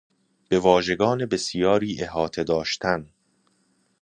به واژگان بسیاری احاطه داشتن